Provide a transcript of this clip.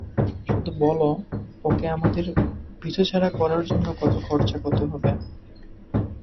শুধু বলো ওকে আমাদের পিছুছাড়া করার জন্য কত খরচা করতে হবে!